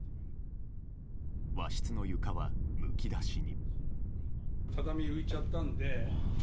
和室の床はむき出しに。